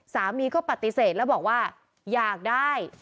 สามีก็ปฏิเสธแล้วบอกว่าอยากได้